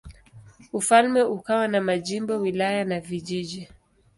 Ufalme ukawa na majimbo, wilaya na vijiji.